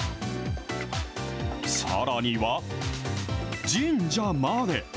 さらには、神社まで。